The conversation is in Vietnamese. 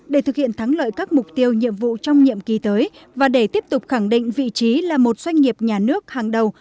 để thực hiện thắng lợi các mục tiêu nhiệm vụ trong nhiệm kỳ tới và để tiếp tục khẳng định vị trí là một doanh nghiệp nhà nước hàng đầu